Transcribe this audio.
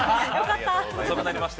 遅くなりました。